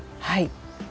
はい。